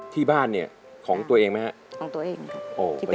ที่บ้านเนี่ยของตัวเองไหมครับ